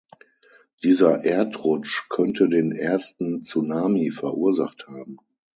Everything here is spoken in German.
Dieser Erdrutsch könnte den ersten Tsunami verursacht haben.